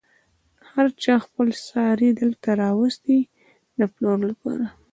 هر چا خپل څاری دلته راوستی و د پلور لپاره.